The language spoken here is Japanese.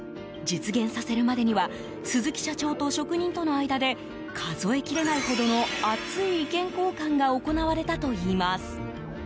実現させるまでには鈴木社長と職人との間で数えきれないほどの熱い意見交換が行われたといいます。